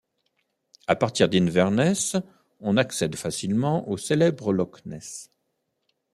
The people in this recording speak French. À partir d'Inverness, on accède facilement au célèbre Loch Ness.